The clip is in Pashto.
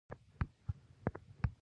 تاسو ښه یاست؟